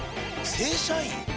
正社員？